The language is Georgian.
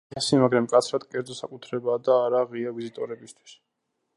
ციხესიმაგრე მკაცრად კერძო საკუთრებაა და არაა ღია ვიზიტორებისთვის.